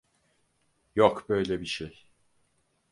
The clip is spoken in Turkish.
Yok böyle bir şey.